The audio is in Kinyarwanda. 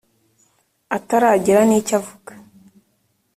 ataragira n’icyo avuga.